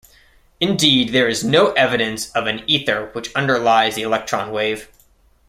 Indeed there is no evidence of an ether which underlies the electron wave.